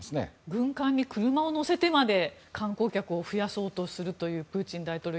軍艦に車を載せてまで観光客を増やそうとするプーチン大統領。